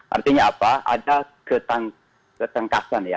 artinya apa ada ketengkasan ya